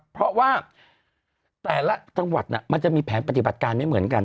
เพราะว่าแต่ละจังหวัดมันจะมีแผนปฏิบัติการไม่เหมือนกัน